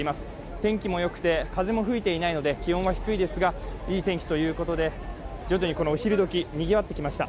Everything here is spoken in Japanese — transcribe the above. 天気もよくて風も吹いていないので、気温は低いですがいい天気ということで徐々にお昼時、にぎわってきました